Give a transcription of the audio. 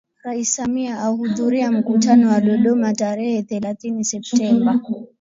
Rais Samia ahudhuria Mkutano wa Dodoma tarehe thelathini Septemba